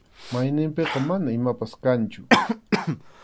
Mayninpiqa mana imapas kanchu.